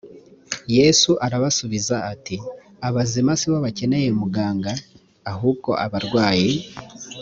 yesu arabasubiza ati “abazima si bo bakeneye umuganga ahubwo abarwayi ”